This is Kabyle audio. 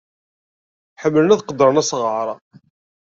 Ḥemmlen ad qeddren asɣar.